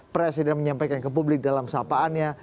presiden menyampaikan ke publik dalam sapaannya